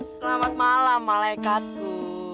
selamat malam malaikatku